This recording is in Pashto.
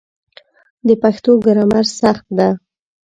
د پښتو ګرامر سخت ده